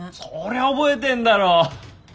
そりゃ覚えてんだろ。